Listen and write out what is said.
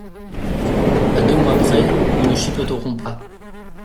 À deux mois près, nous ne chipoterons pas.